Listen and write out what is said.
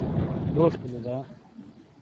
روش بِلو دا؟